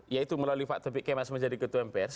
yaitu melalui pak taufik kemas menjadi ketua mpr